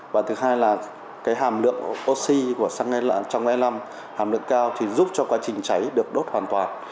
và thứ hai là cái hàm lượng oxy của xăng e năm hàm lượng cao thì giúp cho quá trình cháy được đốt hoàn toàn